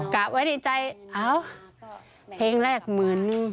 กะไว้ในใจเอ้าเพลงแรกเหมือน